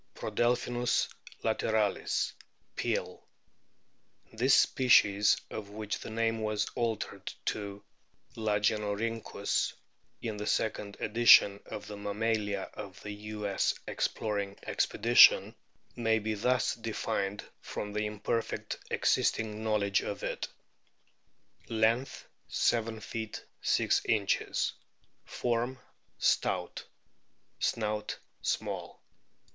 Prodelphinus lateralis, Peale. * This species, of which the name was altered to Lagenorhynchus in the second edition of the Mammalia of the U.S. Exploring Expedition, may be thus defined from the imperfect existing knowledge of it : Length, 7 ft. 6 in. ; form stout ; snout small.